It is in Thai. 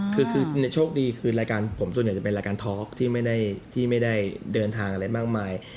คือโชคดีคือรายการผมส่วนใหญ่จะเป็นรายการทอล์กที่ไม่ได้เดินทางอะไรมากมาย